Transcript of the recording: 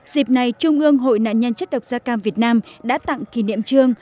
dịp này trung ương hội nạn nhân chất độc da cam việt nam đã tặng kỷ niệm trương